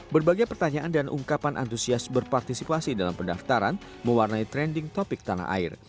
berbagai pertanyaan dan ungkapan antusias berpartisipasi dalam pendaftaran mewarnai trending topic tanah air